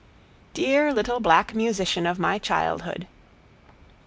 Dear little black musician of my childhood!